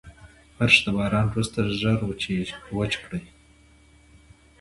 فرش د باران وروسته ژر وچ کړئ.